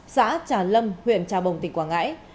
xã trà lâm huyện trà bồng tỉnh quảng ngãi